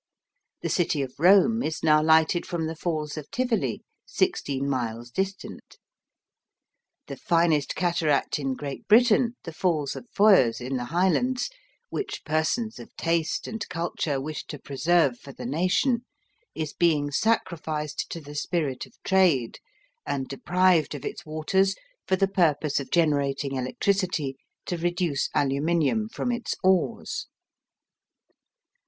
The city of Rome is now lighted from the Falls of Tivoli, 16 miles distant. The finest cataract in Great Britain, the Falls of Foyers, in the Highlands, which persons of taste and culture wished to preserve for the nation, is being sacrificed to the spirit of trade, and deprived of its waters for the purpose of generating electricity to reduce aluminium from its ores.